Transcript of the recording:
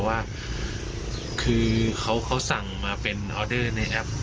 ว่าคือเขาสั่งมาเป็นออเดอร์ในแอป